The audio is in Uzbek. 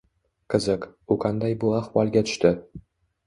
Qiziq, u qanday bu ahvolga tushdi